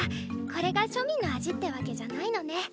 これが庶民の味ってわけじゃないのね。